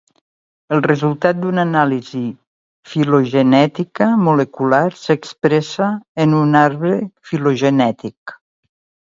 El resultat d'una anàlisi filogenètica molecular s'expressa en un arbre filogenètic.